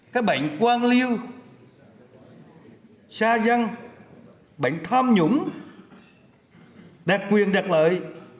các bệnh quang lưu xa dăng bệnh tham nhũng đạt quyền đạt lợi